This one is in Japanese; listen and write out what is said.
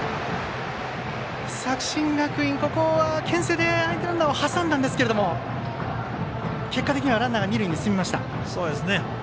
作新学院、ここはけん制で相手ランナーを挟んだんですが結果的にはランナーが二塁へ進みました。